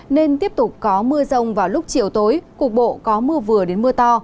nên tiếp tục có mưa rông vào lúc chiều tối cục bộ có mưa vừa đến mưa to